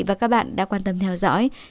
và các bạn đã quan tâm theo dõi